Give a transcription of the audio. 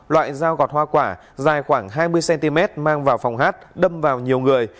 loại dao gọt hoa quả dài khoảng hai mươi cm mang vào phòng hát đâm vào nhiều người